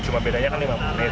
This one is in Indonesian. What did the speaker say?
cuma bedanya kan lima menit